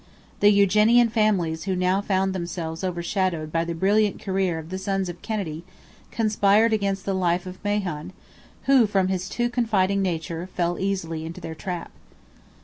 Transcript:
The Eugenian families who now found themselves overshadowed by the brilliant career of the sons of Kennedy, conspired against the life of Mahon, who, from his too confiding nature, fell easily into their trap.